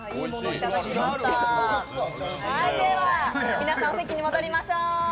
皆さんお席に戻りましょう。